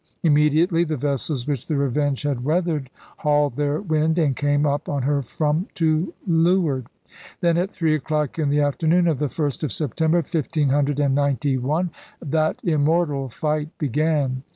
Immediately the vessels which the Revenge had weathered hauled their wind and came up on her from to leeward. Then, at three o'clock in the afternoon of the 1st of September, 1591, that im mortal fight began.